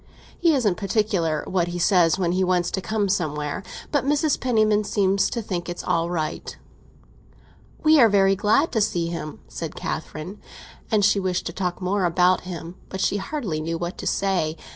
He isn't particular what he says when he wants to come somewhere! But Mrs. Penniman seems to think it's all right." "We are very glad to see him," said Catherine. And she wished to talk more about him; but she hardly knew what to say.